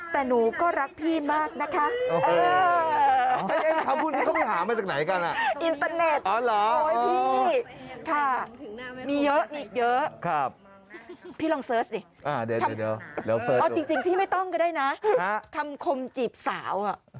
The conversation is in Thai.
แต่หนูก็รักพี่มากนะคะ